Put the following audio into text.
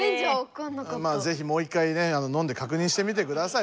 ぜひもう一回ねのんでかくにんしてみてください。